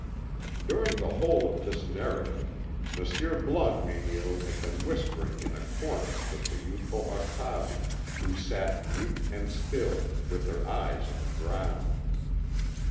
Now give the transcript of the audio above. During the whole of this narrative Monsieur Blancmesnil had been whispering in a corner with the youthful Octavie, who sat mute and still, with her eyes on the ground.